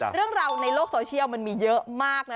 เรื่องราวในโลกโซเชียลมันมีเยอะมากนะ